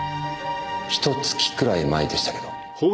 ひと月くらい前でしたけど。